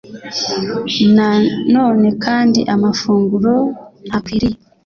Na none kandi amafunguro ntakwiriye